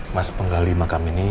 mas penggali makam ini